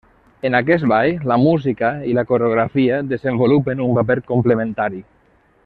En aquest ball, la música i la coreografia desenvolupen un paper complementari.